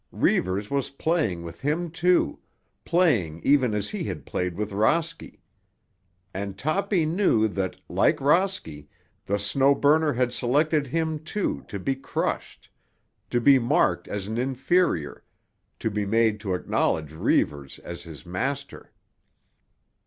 Reivers was playing with him, too, playing even as he had played with Rosky! And Toppy knew that, like Rosky, the Snow Burner had selected him, too, to be crushed—to be marked as an inferior, to be made to acknowledge Reivers as his master.